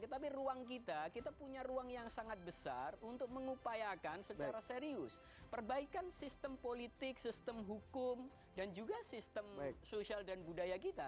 tetapi ruang kita kita punya ruang yang sangat besar untuk mengupayakan secara serius perbaikan sistem politik sistem hukum dan juga sistem sosial dan budaya kita